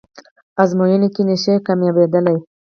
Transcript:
ازموینه کې نشئ کامیابدلی